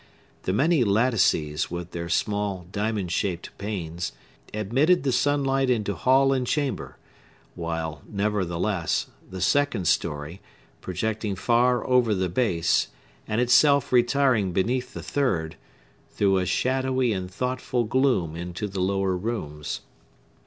The many lattices, with their small, diamond shaped panes, admitted the sunlight into hall and chamber, while, nevertheless, the second story, projecting far over the base, and itself retiring beneath the third, threw a shadowy and thoughtful gloom into the lower rooms.